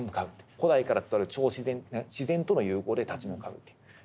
古代から伝わる超自然自然との融合で立ち向かうという。